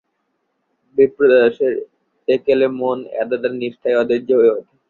বিপ্রদাসের একেলে মন এতটা নিষ্ঠায় অধৈর্য হয়ে ওঠে।